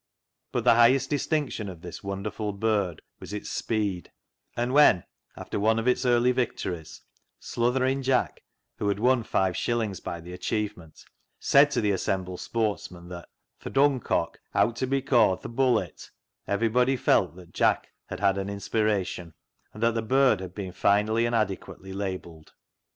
But the highest distinction of this wonderful bird was its speed ; and when, after one of its early victories, " Sluthering Jack," who had won five shillings by the achievement, said to the assembled sportsmen that " th' * Dun cock ' owt ta be caw'd th' ' Bullet,' " everybody felt that Jack had had an inspiration, and that the bird had been finally and adequately labelled.